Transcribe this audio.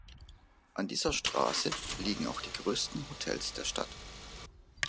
An dieser Straße liegen auch die größten Hotels der Stadt.